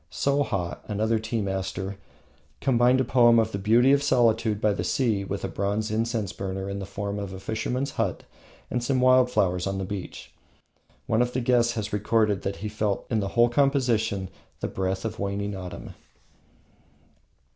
Shoha, another tea master, combined a poem on the Beauty of Solitude by the Sea with a bronze incense burner in the form of a fisherman's hut and some wild flowers of the beach. One of the guests has recorded that he felt in the whole composition the breath of waning autumn.